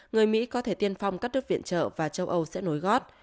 người mỹ có thể tiên phong cắt đất viện trợ và châu âu sẽ nối gót